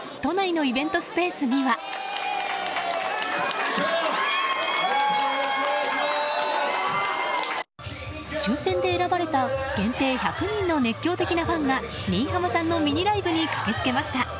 この週末抽選で選ばれた限定１００人の熱狂的なファンが新浜さんのミニライブに駆けつけました。